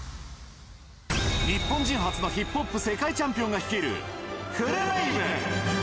日本人初のヒップホップ世界チャンピオンが率いる、ＦＵＬＬＢＡＢＥ。